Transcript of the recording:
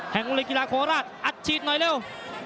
แห่งอุณหภิกษาโคราชอัดฉีดหน่อยเร็ว